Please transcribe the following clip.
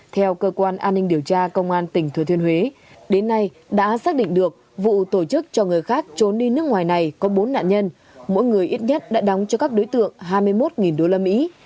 theo cơ quan an ninh điều tra công an tỉnh thừa thiên huế đến nay đã xác định được vụ tổ chức cho người khác trốn đi nước ngoài này có bốn nạn nhân mỗi người ít nhất đã đóng cho các đối tượng hai mươi một đô la mỹ